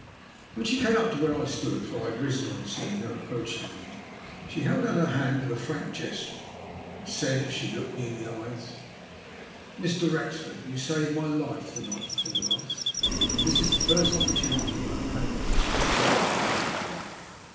When she came up to where I stood, for I had risen on seeing her approaching me, she held out her hand with a frank gesture, and said, as she looked me in the ejes: THE WEECK OP THE "FIJI PRINCESS." 185 *' Mr. Wrexford, you saved my life the night before last, and this is the first opportunity I have had of expressing my gratitude to you.